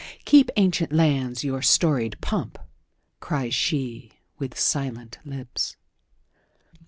"Keep, ancient lands, your storied pomp!" cries sheWith silent lips.